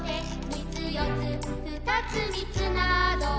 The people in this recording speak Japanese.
「みつよつ、ふたつみつなど」